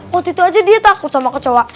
waktu itu aja dia takut sama kecoa